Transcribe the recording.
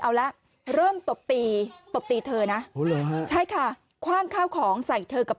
เอาละเริ่มตบตีตบตีเธอนะใช่ค่ะคว่างข้าวของใส่เธอกับ